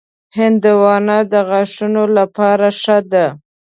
هندوانه د غاښونو لپاره ښه ده.